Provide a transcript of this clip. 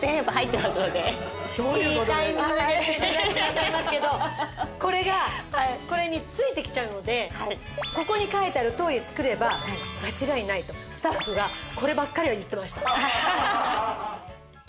いいタイミングで出してらっしゃいますけどこれがこれに付いてきちゃうのでここに書いてあるとおり作れば間違いないとスタッフがこればっかり言ってました。